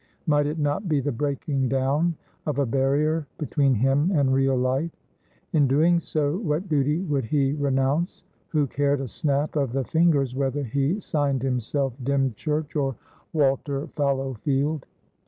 Might it not be the breaking down of a barrier between him and real life? In doing so, what duty would he renounce? Who cared a snap of the fingers whether he signed himself "Dymchurch" or "Walter Fallowfield?"